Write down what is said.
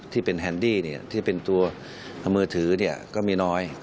ที่เป็นแฮนดี้ที่เป็นตัวมือถือก็มีน้อย